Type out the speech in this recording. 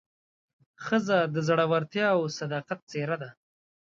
ښځه د زړورتیا او صداقت څېره ده.